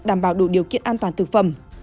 đảm bảo đủ điều kiện an toàn thực phẩm